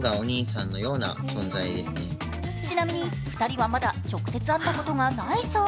ちなみに、２人はまだ直接会ったことがないそう。